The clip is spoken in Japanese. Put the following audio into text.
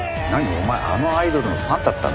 お前あのアイドルのファンだったの？